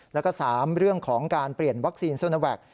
แล้วก็๓เรื่องของการเปลี่ยนวัคซีนโซโนแวค